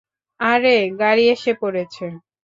আরে, গাড়ি এসে পড়েছে।